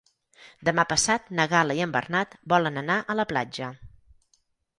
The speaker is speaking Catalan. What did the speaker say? Demà passat na Gal·la i en Bernat volen anar a la platja.